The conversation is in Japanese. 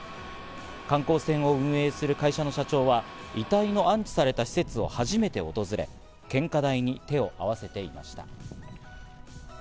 観光船を運営する会社の社長は遺体の安置された施設を初めて訪れ、献花台に手を合わせていました。